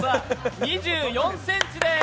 ２４ｃｍです。